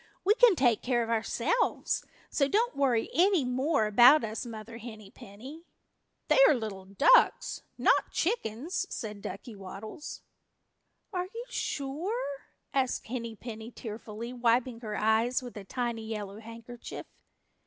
We can take care of ourselves, so don't worry any more about us, Mother Henny Penny." "They are little ducks, not chickens," said Ducky Waddles. "Are you sure?" asked Henny Penny tearfully, wiping her eyes with a tiny yellow handkerchief.